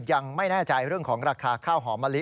ยังไม่แน่ใจเรื่องของราคาข้าวหอมมะลิ